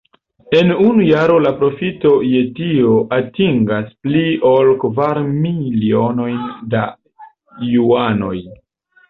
En unu jaro la profito je tio atingas pli ol kvar milionojn da juanoj.